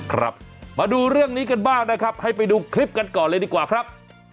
ครับมาดูเรื่องนี้กันบ้างนะครับให้ไปดูคลิปกันก่อนเลยดีกว่าครับ